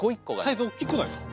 サイズおっきくないですか？